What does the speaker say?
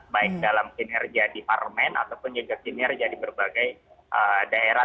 baik dalam kinerja di parlemen ataupun juga kinerja di berbagai daerah